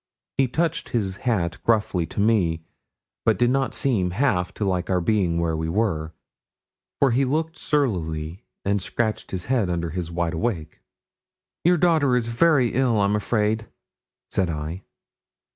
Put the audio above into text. He touched his hat gruffly to me, but did not seem half to like our being where we were, for he looked surlily, and scratched his head under his wide awake. 'Your daughter is very ill, I'm afraid,' said I.